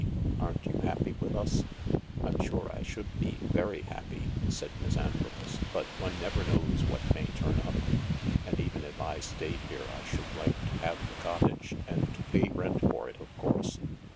" aren't you happy with us ? M " I'm sure I should be, very happy/' said Miss Antrobus, " but one never knows what may turn up ; and even if I stayed here I should like to have the cottage, and to pay rent for it, of course.